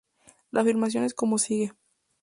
La afirmación es como sigue.